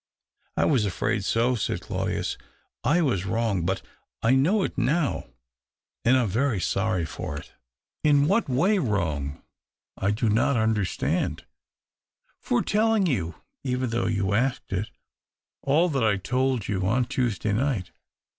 " I was afraid so," said Claudius. " I was nrong, but I know it now, and I'm very sorry or it." 260 THE OCTAVE OF CLAUDIUS. " In what way wrong ? I do not under stand." " For telling you, even though you asked it, all that I told you on Tuesday night.